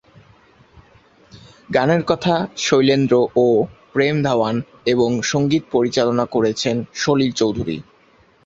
গানের কথা "শৈলেন্দ্র" ও "প্রেম ধাওয়ান" এবং সংগীত পরিচালনা করেছেন সলিল চৌধুরী।